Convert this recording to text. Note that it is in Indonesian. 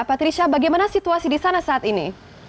patrisha bagaimana situasi di sana saat ini